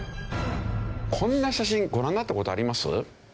こんな写真ご覧になった事あります？